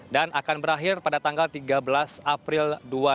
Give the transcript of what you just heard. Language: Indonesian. dan akan berakhir pada tanggal tiga belas april dua ribu sembilan belas